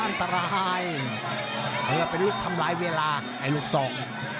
อันตรายเธอเป็นลูกทำร้ายเวลาไอ้ลูกสอง